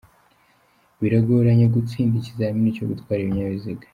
Biragoranye gutsinda ikizamini cyo gutwara ibinyabiziga.